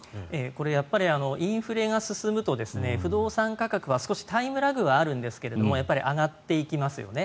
これやっぱりインフレが進むと不動産価格は少しタイムラグはあるんですがやっぱり上がっていきますよね。